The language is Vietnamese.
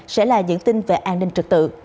sẽ là những tin về an ninh trực tự